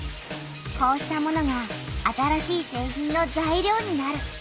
こうしたものが新しい製品の材料になる。